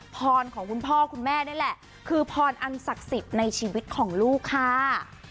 พรของเปล่าคุณพ่อคุณแม่นี่แหละคือพรอันศักรรมในชีวิตของลูกค่า